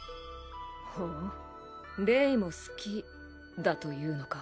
ほうレイも好きだというのか？